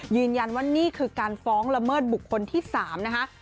ยืนยันว่านี่คือการฟ้องละเมิดบุคคลที่๓นะคะ